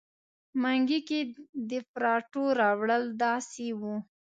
منګي کې د پراټو راوړل داسې وو.